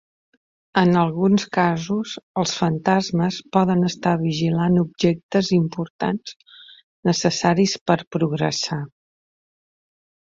En alguns casos, els fantasmes poden estar vigilant objectes importants necessaris per progressar.